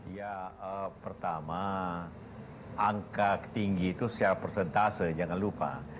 ya pertama angka tinggi itu secara persentase jangan lupa